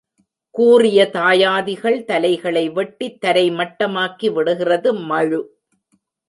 கூறிய தாயாதிகள் தலைகளை வெட்டித் தரை மட்டமாக்கி விடுகிறது மழு.